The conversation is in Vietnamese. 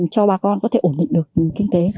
cho bà con có thể ổn định được kinh tế